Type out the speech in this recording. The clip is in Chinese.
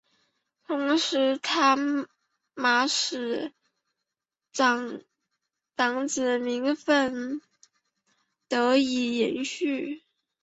同时他玛使长子名份得以延续。